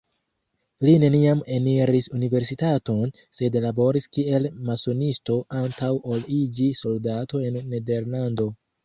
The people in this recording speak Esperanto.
Li neniam eniris universitaton, sed laboris kiel masonisto antaŭ ol iĝi soldato en Nederlando.